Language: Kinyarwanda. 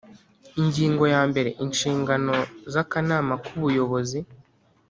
Ingingo ya mbere Inshingano z akanama kubuyobozi